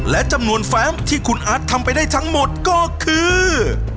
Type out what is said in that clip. และจำนวนแฟมที่คุณอาร์ตทำไปได้ทั้งหมดก็คือ